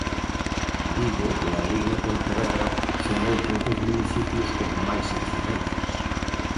Vigo, Lalín e Pontevedra son outros dos municipios con máis incidencias.